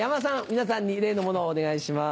皆さんに例のものをお願いします。